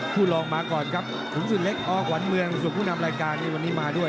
รองมาก่อนครับขุนศึกเล็กอขวัญเมืองส่วนผู้นำรายการในวันนี้มาด้วย